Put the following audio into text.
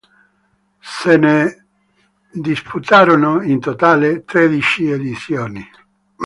Se ne disputarono in totale tredici edizioni.